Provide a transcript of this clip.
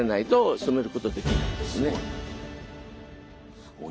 すごい。